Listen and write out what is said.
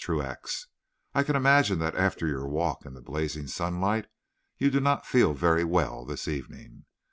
TRUAX: I can imagine that after your walk in the blazing sunlight you do not feel very well this evening.